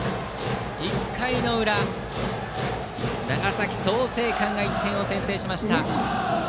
１回の裏、長崎・創成館が１点を先制しました。